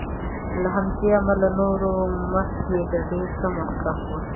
له همدې امله تر نورو مخکې د ډېر څه مخکښ وي.